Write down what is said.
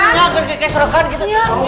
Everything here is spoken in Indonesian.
ya kan kayak serokan gitu